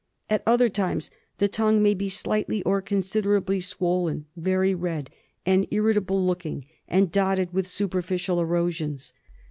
At other times the tongue may be slightly or considerably swollen, very red and irritable looking, and dotted with superficial erosions.